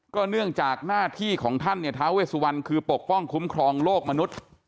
เนื่องจากหน้าที่ของท่านเนี่ยท้าเวสุวรรณคือปกป้องคุ้มครองโลกมนุษย์